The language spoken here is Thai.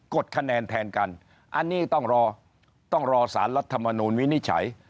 ดคะแนนแทนกันอันนี้ต้องรอต้องรอสารรัฐมนูลวินิจฉัย